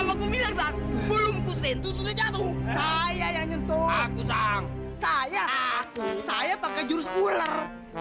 aku bilang belum kusentuh sudah jatuh saya yang nyentuh aku saya saya pakai jurus ular